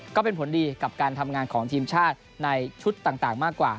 ก็เป็นผลดีกับการทำงานของทีมชาติในชุดต่างมากกว่า